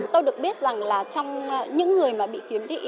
tôi được biết rằng là trong những người mà bị khiếm thị